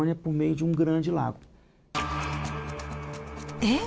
えっ！